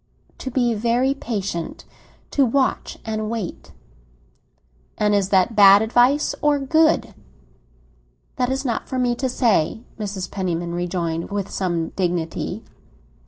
"To be very patient; to watch and wait." "And is that bad advice or good?" "That is not for me to say," Mrs. Penniman rejoined, with some dignity.